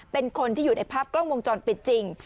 เป็นคนที่อยู่ในภาพกล้องวงจรปิดจริง